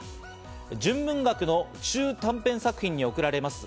純文学の中・短編作品に送られます